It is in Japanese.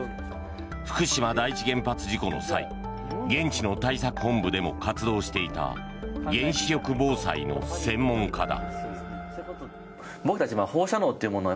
福島第一原発事故の際現地の対策本部でも活動していた原子力防災の専門家だ。